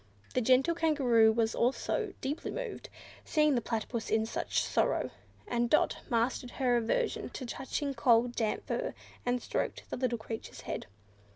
The gentle Kangaroo was also deeply moved, seeing the Platypus in such sorrow, and Dot mastered her aversion to touching cold, damp fur, and stroked the little creature's head.